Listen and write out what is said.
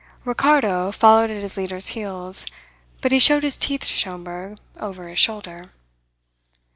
Ricardo followed at his leader's heels; but he showed his teeth to Schomberg over his shoulder.